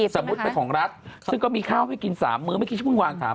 สมมุติเป็นของรัฐซึ่งก็มีข้าวให้กิน๓มื้อไม่กินชั่วโมงวาง๓มื้อ